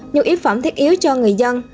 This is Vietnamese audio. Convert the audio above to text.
những yếu phẩm thiết yếu cho người dân